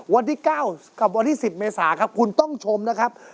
วันที่๙กับวันที่๑๐เมษาครับคุณต้องชมนะครับ